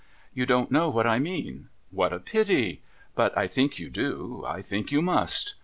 You don't know what I mean ? What a pity ! But I think you do. I think you must.